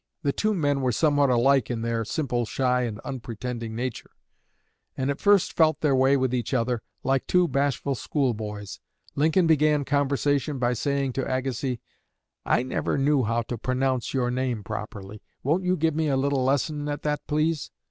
The two men were somewhat alike in their simple, shy, and unpretending nature, and at first felt their way with each other like two bashful schoolboys. Lincoln began conversation by saying to Agassiz, "I never knew how to pronounce your name properly; won't you give me a little lesson at that, please?"